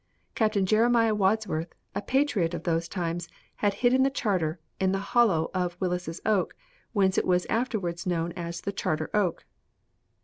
Captain Jeremiah Wadsworth, a patriot of those times, had hidden the charter in the hollow of Wyllis's oak, whence it was afterward known as the Charter Oak."